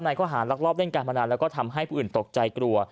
ข้อหารลักลอบเล่นการพนันแล้วก็ทำให้ผู้อื่นตกใจกลัว